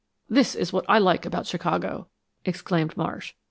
"This is what I like about Chicago," exclaimed Marsh.